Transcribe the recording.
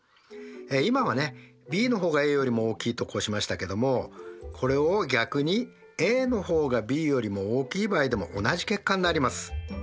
今はねｂの方がａよりも大きいとこうしましたけどもこれを逆にａの方がｂよりも大きい場合でも同じ結果になります。